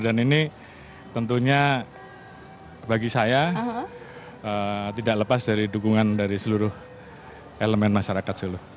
dan ini tentunya bagi saya tidak lepas dari dukungan dari seluruh elemen masyarakat solo